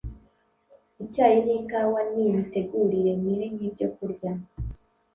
icyayi n'ikawa, n'imitegurire mibi y'ibyokurya